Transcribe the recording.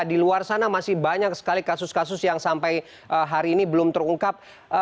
di luar sana masih banyak sekali kasus kasus yang sampai hari ini belum terungkap